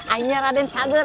ayahnya raden sagar